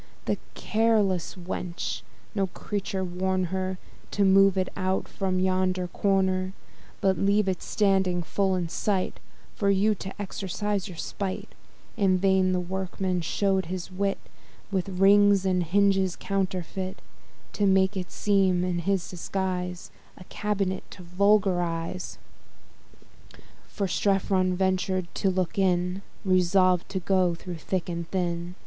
That careless wench! no creature warn her To move it out from yonder corner! But leave it standing full in sight, For you to exercise your spight? In vain the workman shew'd his wit, With rings and hinges counterfeit, To make it seem in this disguise A cabinet to vulgar eyes: Which Strephon ventur'd to look in, Resolved to go thro' thick and thin.